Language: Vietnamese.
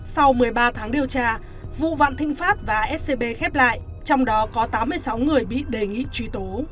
sau một mươi ba tháng điều tra vụ vạn thịnh pháp và scb khép lại trong đó có tám mươi sáu người bị đề nghị truy tố